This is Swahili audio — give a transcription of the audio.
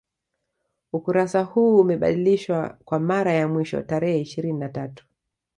Ukurasa huu umebadilishwa kwa mara ya mwisho tarehe ishirini na tatu